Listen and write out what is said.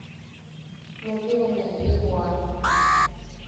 Nukiba ne ili jooan.